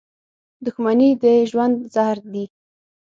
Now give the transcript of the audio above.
• دښمني د ژوند زهر دي.